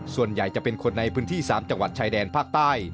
ส่วนใหญ่จะเป็นคนในพื้นที่๓จังหวัดชายแดนภาคใต้